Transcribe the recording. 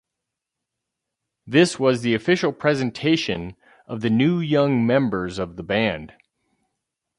This was the official presentation of the new young members of the band.